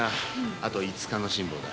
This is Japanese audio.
あと５日の辛抱だ。